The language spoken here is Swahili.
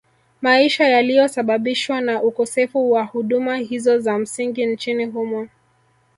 Maisha yaliyosababishwa na ukosefu wa huduma hizo za msingi nchini humo